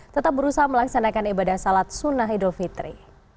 tetap berusaha melaksanakan ibadah salat sunnah idul fitri